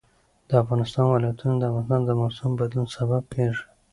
د افغانستان ولايتونه د افغانستان د موسم د بدلون سبب کېږي.